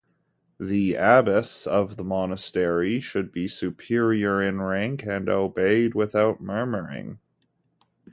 The abbess of the monastery should be "superior in rank" and "obeyed without murmuring".